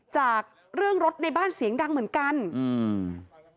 จากเรื่องรถในบ้านเสียงดังเหมือนกันอืม